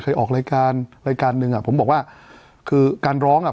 ออกรายการรายการหนึ่งอ่ะผมบอกว่าคือการร้องอ่ะ